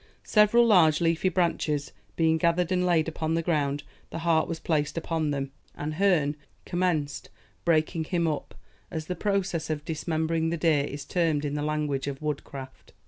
Several large leafy branches being gathered and laid upon the ground, the hart was placed upon them, and Herne commenced breaking him up, as the process of dismembering the deer is termed in the language of woodcraft.